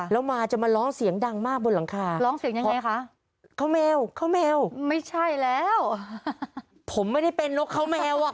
แล้วมันจะมาร้องเสียงดังมากบนหลังคา